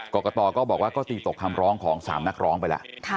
กรกตก็บอกว่าก็ตีตกคำร้องของ๓นักร้องไปแล้ว